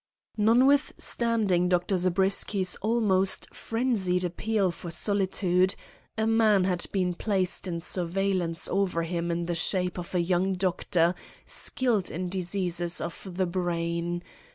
Notwithstanding Dr. Zabriskie's almost frenzied appeal for solitude, a man had been placed in surveillance over him in the shape of a young doctor skilled in diseases of the brain.